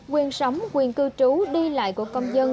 quyền sống quyền cư trú đi lại của công dân